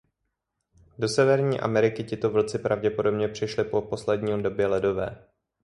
Do Severní Ameriky tito vlci pravděpodobně přišli po poslední době ledové.